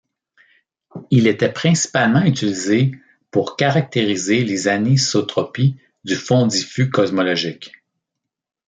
Il était principalement utilisé pour caractériser les anisotropies du fond diffus cosmologique.